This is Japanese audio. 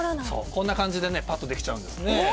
こんな感じでパッとできちゃうんです。